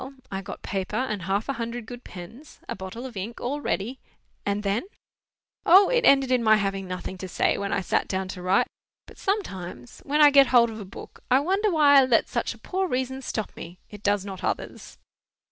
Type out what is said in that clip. I got paper and half a hundred good pens, a bottle of ink, all ready—" "And then—" "O, it ended in my having nothing to say, when I sat down to write. But sometimes, when I get hold of a book, I wonder why I let such a poor reason stop me. It does not others."